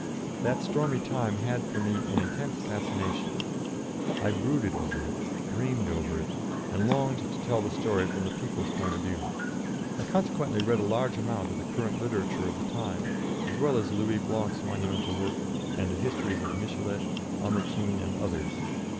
That stormy time had for me an intense fascination. I brooded over it, dreamed over it, and longed to tell the story from the people's point of view. I consequently read a large amount of the current literature of the time, as well as Louis Blanc's monumental work and the histories of Michelet, Lamartine, and others.